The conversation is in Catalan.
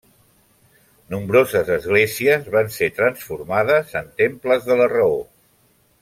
Nombroses esglésies van ser transformades en temples de la Raó.